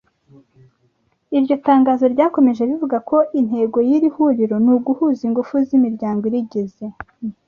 Iryo tangazo ryakomeje rivuga ko Intego y’iri huriro ni uguhuza ingufu z’imiryango irigize